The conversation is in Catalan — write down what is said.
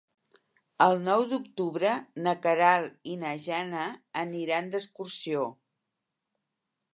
El nou d'octubre na Queralt i na Jana aniran d'excursió.